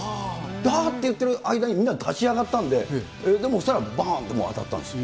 だーっていっている間にみんな立ち上がったんで、ばーんってそれで当たったんですよ。